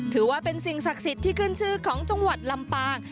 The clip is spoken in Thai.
ถือว่าเป็นสิ่งศักดิ์สิทธิ์ที่ขึ้นชื่อของจังหวัดลำปาง